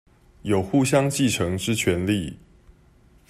有相互繼承之權利